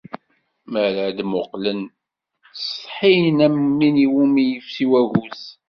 Mi ara d-mmuqlen ttsetḥiɣ am win iwumi yefsi waggus.